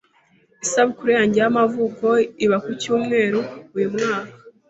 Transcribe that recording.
Isabukuru yanjye y'amavuko iba ku cyumweru uyu mwaka.